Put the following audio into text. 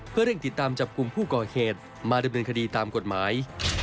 เพื่อเร่งติดตามจับกลุ่มผู้ก่อเหตุมาดำเนินคดีตามกฎหมาย